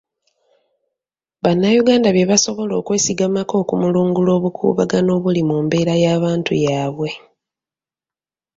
Bannanyuganda bye basobola okwesigamako okumulungula obukuubagano obuli mu mbeerabantu yaabwe.